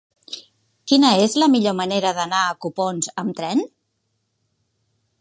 Quina és la millor manera d'anar a Copons amb tren?